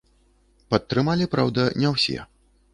Падтрымалі, праўда, не ўсе.